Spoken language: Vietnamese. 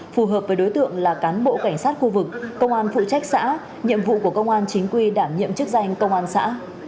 phù hợp với đối tượng là cán bộ cảnh sát khu vực công an phụ trách xã nhiệm vụ của công an chính quy đảm nhiệm chức danh công an xã